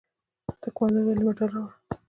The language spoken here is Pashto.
تکواندو ولې مډال راوړ؟